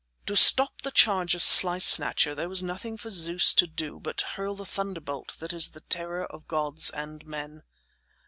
To stop the charge of Slice Snatcher there was nothing for Zeus to do but to hurl the thunderbolt that is the terror of gods and men.